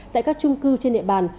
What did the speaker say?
tại các chung cư trên địa bàn